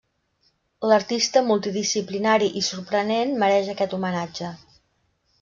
L’artista multidisciplinari i sorprenent mereix aquest homenatge.